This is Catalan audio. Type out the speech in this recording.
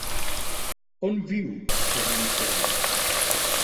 On viu el rinoceront?